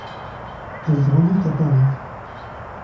Elle grandit à Paris.